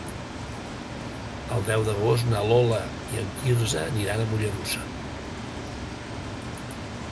El deu d'agost na Lola i en Quirze aniran a Mollerussa.